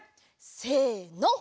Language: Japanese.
せの！